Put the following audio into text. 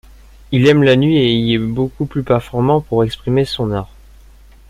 Il aime la nuit et y est beaucoup plus performant pour exprimer son art.